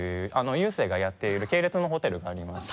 成がやっている系列のホテルがありまして。